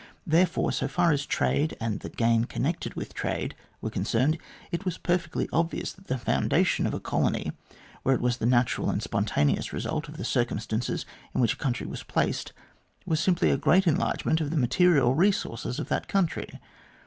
Therefore, so far as trade and the gain connected with trade were concerned, it was perfectly obvious that the foundation of a colony, where it was the natural and spontaneous result of the circumstances in which a country was placed, was simply a great enlargement of the material resources of that country.